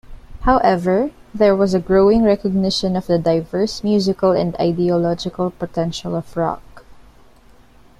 However, there was growing recognition of the diverse musical and ideological potential of rock.